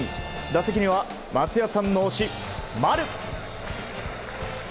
打席には松也さんの推し、丸。